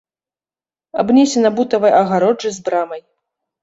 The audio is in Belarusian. Абнесена бутавай агароджай з брамай.